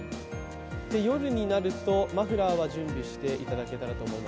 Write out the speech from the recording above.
夜になるとマフラーは準備していただけたとら思います。